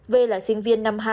vê là sinh viên năm hai